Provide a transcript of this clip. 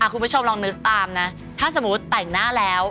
คุณผู้ชมลองนึกตามนะถ้าสมมุติแต่งหน้าแล้ว